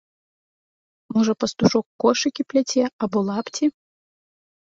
Можа пастушок кошыкі пляце або лапці?